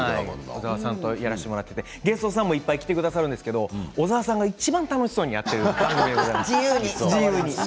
小沢さんとやらせてもらってゲストさんもたくさん来てくださってるんですけど小沢さんがいちばん楽しそうにやっている、自由に。